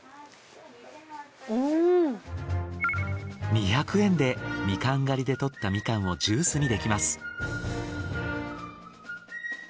２００円でみかん狩りで採ったみかんをジュースにできます。